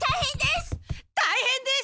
たいへんです！